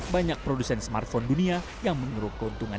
banyak produsen smartphone dunia yang mengeruk keuntungan